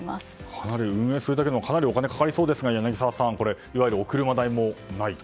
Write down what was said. かなり運営するだけでもお金かかりそうですが柳澤さんいわゆるお車代もないと。